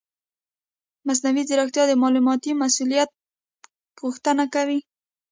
مصنوعي ځیرکتیا د معلوماتي مسؤلیت غوښتنه کوي.